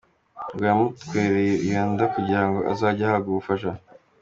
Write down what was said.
Ngo yamutwerereye iyo nda kugirango azajye ahabwa ubufasha.